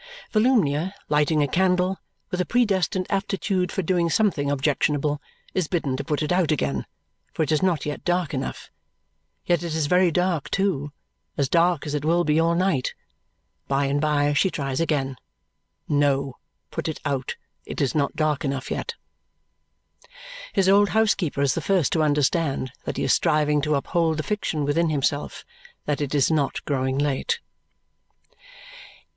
Volumnia, lighting a candle (with a predestined aptitude for doing something objectionable), is bidden to put it out again, for it is not yet dark enough. Yet it is very dark too, as dark as it will be all night. By and by she tries again. No! Put it out. It is not dark enough yet. His old housekeeper is the first to understand that he is striving to uphold the fiction with himself that it is not growing late.